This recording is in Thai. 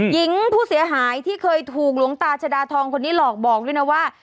หญิงผู้เสียหายที่เคยถูกหลวงตาชดาทองคนนี้หลอกบอกด้วยนะว่า